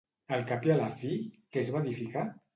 Al cap i a la fi, què es va edificar?